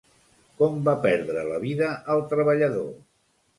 Com va perdre la vida el treballador?